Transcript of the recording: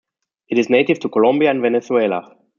It is native to Colombia and Venezuela.